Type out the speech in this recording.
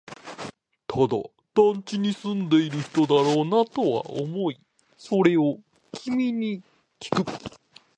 ただ、団地に住んでいる人だろうなとは思い、それを君にきく